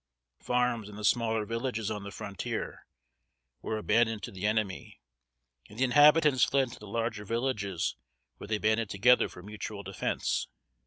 Farms, and the smaller villages on the frontier, were abandoned to the enemy; and the inhabitants fled to the larger villages, where they banded together for mutual defense.